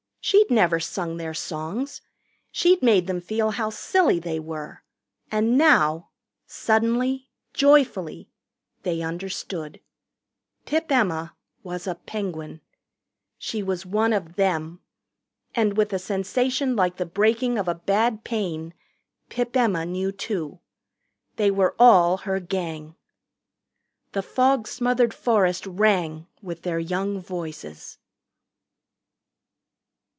She'd never sung their songs. She'd made them feel how silly they were. And now suddenly, joyfully, they understood. Pip Emma was a Penguin. She was one of them. And with a sensation like the breaking of a bad pain Pip Emma knew, too. They were all her Gang. The fog smothered forest rang with their young voices.